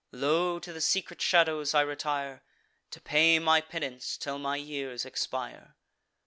Lo! to the secret shadows I retire, To pay my penance till my years expire.